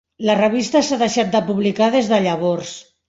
La revista s'ha deixat de publicar des de llavors.